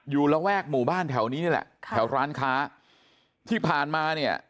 ระแวกหมู่บ้านแถวนี้นี่แหละแถวร้านค้าที่ผ่านมาเนี่ย